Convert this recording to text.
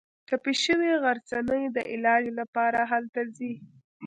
ټپي شوې غرڅنۍ د علاج لپاره هلته ځي.